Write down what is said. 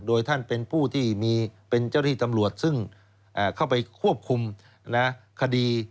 โดยท่านเป็นผู้ที่มีเป็นเจ้าที่ตำรวจซึ่งเข้าไปควบคุมคดี